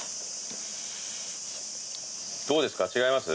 どうですか違います？